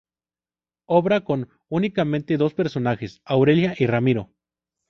Obra con únicamente dos personajes, Aurelia y Ramiro.